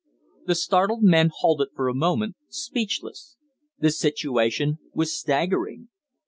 The startled men halted for a moment, speechless. The situation was staggering.